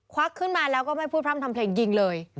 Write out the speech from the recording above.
วักขึ้นมาแล้วก็ไม่พูดพร่ำทำเพลงยิงเลย